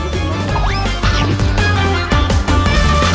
อืม